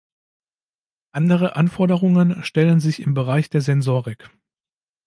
Andere Anforderungen stellen sich im Bereich der Sensorik.